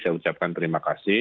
saya ucapkan terima kasih